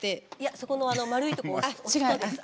そこの丸いとこを押すとです。